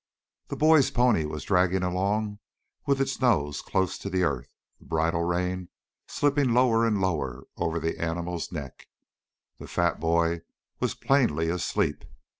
The boy's pony was dragging along with nose close to the earth, the bridle rein slipping lower and lower over the animal's neck. The fat boy was plainly asleep.